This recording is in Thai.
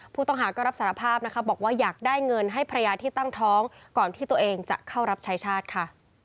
ผู้ต้องหาก็รับสารภาพนะคะบอกว่าอยากได้เงินให้ภรรยาที่ตั้งท้องก่อนที่ตัวเองจะเข้ารับใช้ชาติค่ะ